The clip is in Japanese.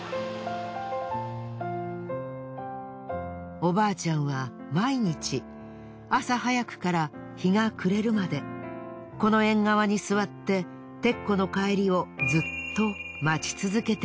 おばあちゃんは毎日朝早くから日が暮れるまでこの縁側に座ってテッコの帰りをずっと待ち続けているのです。